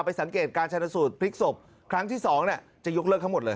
สังเกตการชนสูตรพลิกศพครั้งที่๒จะยกเลิกทั้งหมดเลย